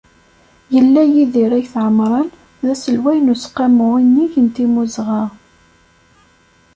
Yella Yidir Ayt Ɛemran d aselway n Useqqamu Unnig n Timmuzɣa.